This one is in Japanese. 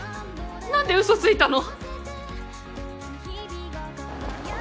何でウソついたの？